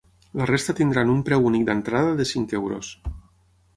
La resta tindran un preu únic d’entrada de cinc euros.